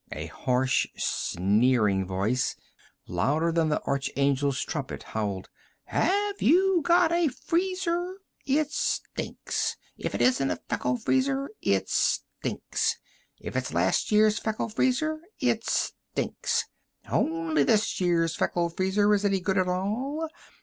A harsh, sneering voice, louder than the arch angel's trumpet, howled: "Have you got a freezer? It stinks! If it isn't a Feckle Freezer, it stinks! If it's a last year's Feckle Freezer, it stinks! Only this year's Feckle Freezer is any good at all!